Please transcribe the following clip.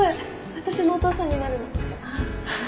私のお父さんになるの？